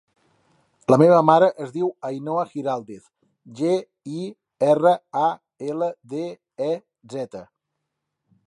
La meva mare es diu Ainhoa Giraldez: ge, i, erra, a, ela, de, e, zeta.